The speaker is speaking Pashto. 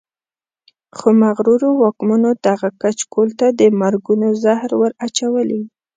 خو مغرورو واکمنو دغه کچکول ته د مرګونو زهر ور اچولي.